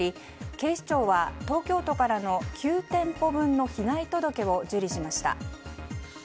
警視庁は東京都からの９店舗分の被害届を受理しました。